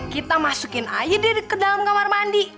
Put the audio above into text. kita masukin aja deh ke dalam kamar mandi